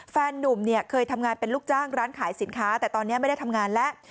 นุ่มเนี่ยเคยทำงานเป็นลูกจ้างร้านขายสินค้าแต่ตอนนี้ไม่ได้ทำงานแล้ว